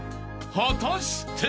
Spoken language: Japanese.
［果たして？］